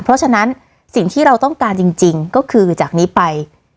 เพราะฉะนั้นสิ่งที่เราต้องการจริงก็คือจากนี้ไป